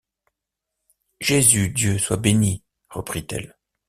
Jésus-Dieu soit béni! reprit-elle.